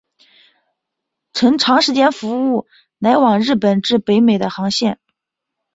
曾长时间服务来往日本至北美的航线。